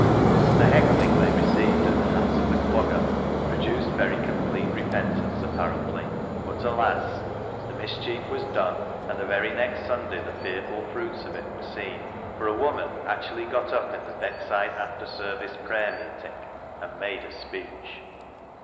The " heckling " they received at the hands of the Clogger produced very complete repentance apparently ; but, alas ! the mischief was done, and the very next Sunday the fearful fruits of it were seen, for a woman actually got up in the Beckside after service prayer meeting and made a speech.